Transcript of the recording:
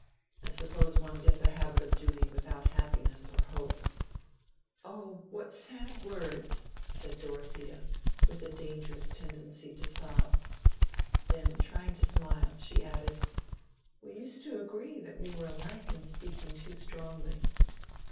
I suppose one gets a habit of doing without happiness or hope." "Oh, what sad words!" said Dorothea, with a dangerous tendency to sob. Then trying to smile, she added, "We used to agree that we were alike in speaking too strongly."